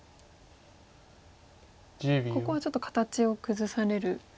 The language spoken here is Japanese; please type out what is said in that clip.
ここはちょっと形を崩される。